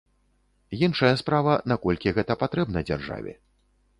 Іншая справа, наколькі гэта патрэбна дзяржаве.